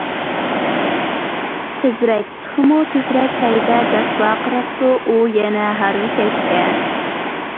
تېزرەك، تېخىمۇ تېزرەك ھەيدە-دەپ ۋارقىراپتۇ ئۇ يەنە ھارۋىكەشكە.